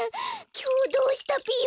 きょうどうしたぴよ？